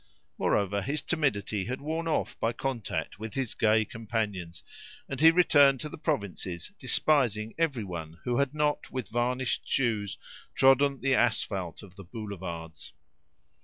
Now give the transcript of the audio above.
Moreover, his timidity had worn off by contact with his gay companions, and he returned to the provinces despising everyone who had not with varnished shoes trodden the asphalt of the boulevards.